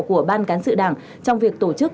của ban cán sự đảng trong việc tổ chức